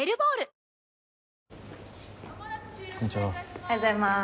おはようございます。